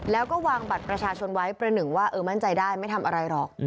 แล้วก็วางบัตรประชาชนไว้ประหนึ่งว่าเออมั่นใจได้ไม่ทำอะไรหรอก